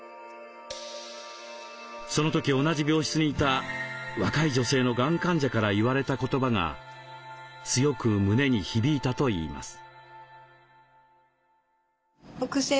その時同じ病室にいた若い女性のがん患者から言われた言葉が強く胸に響いたといいます。